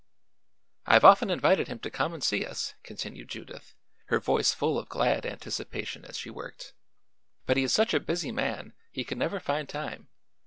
"I've often invited him to come and see us," continued Judith, her voice full of glad anticipation as she worked, "but he is such a busy man he could never find time.